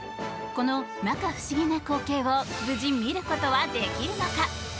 この摩訶不思議な光景を無事、見ることはできるのか？